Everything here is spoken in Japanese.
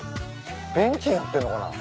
ベンチになってんのかな？